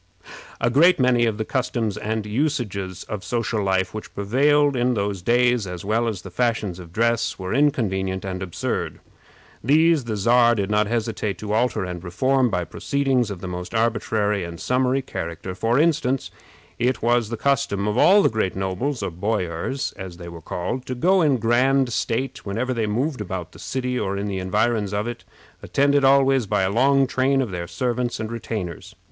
A great many of the customs and usages of social life which prevailed in those days, as well as the fashions of dress, were inconvenient and absurd. These the Czar did not hesitate to alter and reform by proceedings of the most arbitrary and summary character. For instance, it was the custom of all the great nobles, or boyars, as they were called, to go in grand state whenever they moved about the city or in the environs of it, attended always by a long train of their servants and retainers.